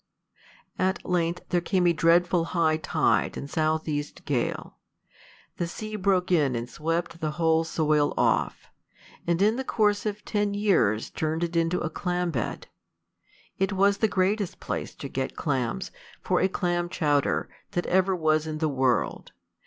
At length there came a dreadful high tide and south east gale; the sea broke in and swept the whole soil off, and in the course of ten years turned it into a clam bed. It was the greatest place to get clams, for a clam chowder, that ever was in the world.